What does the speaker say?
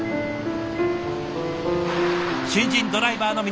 新人ドライバーの皆さん